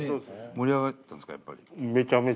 盛り上がったんですかやっぱり。